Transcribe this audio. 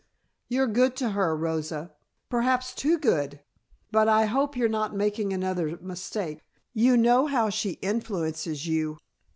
"You're good to her, Rosa, perhaps too good. But I hope you're not making another mistake; you know how she influences you."